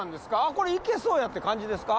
これいけそうやって感じですか？